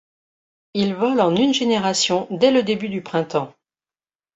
Il vole en une génération dès le début du printemps.